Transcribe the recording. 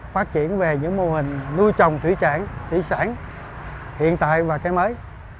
phát triển về những mô hình nuôi trồng thủy sản hiện tại và cái mới